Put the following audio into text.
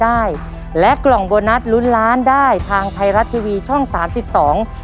ได้และกล่องโบนัสลุ้นล้านได้ทางไทยรัฐทีวีช่องสามสิบสอง